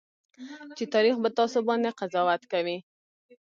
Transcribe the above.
چې تاريخ به تاسو باندې قضاوت کوي.